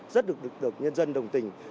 rất được nhân dân đồng tình